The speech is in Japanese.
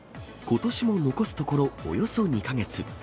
ことしも残すところおよそ２か月。